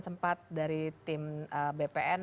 sempat dari tim bpn